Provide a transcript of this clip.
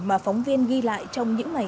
mà phóng viên ghi lại trong những ngày